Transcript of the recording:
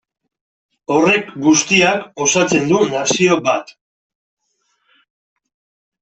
Horrek guztiak osatzen du nazio bat.